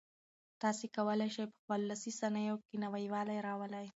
تاسي کولای شئ په خپلو لاسي صنایعو کې نوي والی راولئ.